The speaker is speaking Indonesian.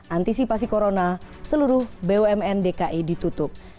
antisipasi corona seluruh bumn dki ditutup